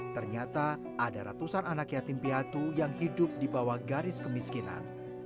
ternyata ada ratusan anak yatim piatu yang hidup di bawah garis kemiskinan